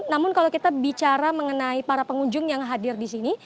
namun kalau kita bicara mengenai para pengunjung yang hadir di sini